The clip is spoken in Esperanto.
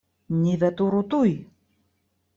Ni veturu tuj!